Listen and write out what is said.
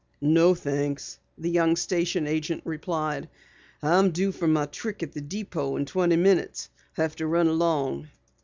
"No, thanks," the young station agent replied. "I'm due for my trick at the Depot in twenty minutes. Have to run along."